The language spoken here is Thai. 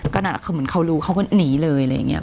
ก็น่าจะเขาเหมือนเขารู้เขาก็หนีเลยอะไรอย่างเงี้ย